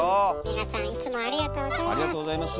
皆さんいつもありがとうございます。